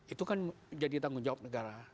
itu kan jadi tanggung jawab negara